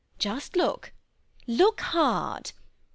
Just look. Look hard.